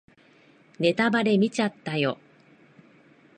ネタバレ見ちゃったよ